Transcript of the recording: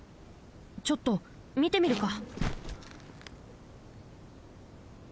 ちょっとみてみるか！